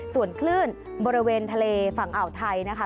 ส่วนคลื่นบริเวณทะเลฝั่งอ่าวไทยนะคะ